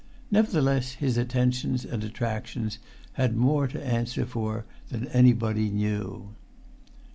Nevertheless, his attentions and attractions had more to answer for than anybody knew.